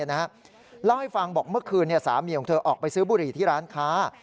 เล่าให้ฟังบอกเมื่อคืนสามีของเธอออกไปซื้อบุหรี่ที่ร้านค้า